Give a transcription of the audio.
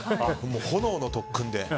炎の特訓で。